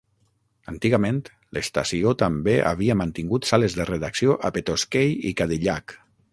Antigament, l'estació també havia mantingut sales de redacció a Petoskey i Cadillac.